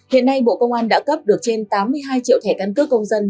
hiện nay bộ công an đã cấp được trên tám mươi hai triệu thẻ căn cước công dân